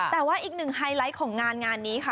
แต่ว่าอีกหนึ่งไฮไลท์ของงานงานนี้ค่ะ